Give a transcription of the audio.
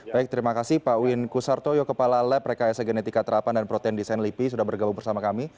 baik terima kasih pak win kusarto yokepala lab rekalese genetika terapan dan protein design lipi sudah bergabung bersama kami